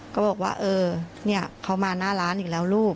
ก็บอกว่าเออเนี่ยเขามาหน้าร้านอีกแล้วลูก